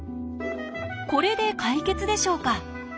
これで解決でしょうか？